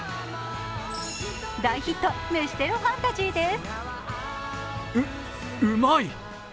大ヒット飯テロファンタジーです。